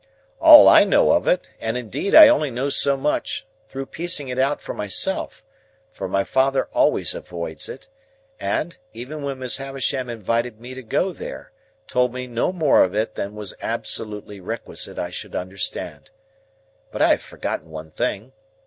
"All I know of it; and indeed I only know so much, through piecing it out for myself; for my father always avoids it, and, even when Miss Havisham invited me to go there, told me no more of it than it was absolutely requisite I should understand. But I have forgotten one thing.